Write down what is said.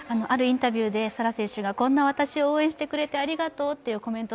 あるインタビューで沙羅選手がこんな私を応援してくれてありがとうと。